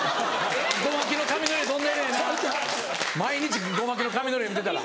毎日ゴマキの髪の色見てたら。